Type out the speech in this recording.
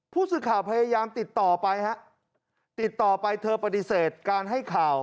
ผู้สื่อข่าวพยายามติดต่อไปฮะติดต่อไปเธอปฏิเสธการให้ข่าว